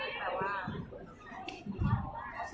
อ่ายยยยยยยยยยยยยผ่านแล้ว